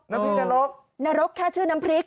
น้ำพริกนรกนรกแค่ชื่อน้ำพริก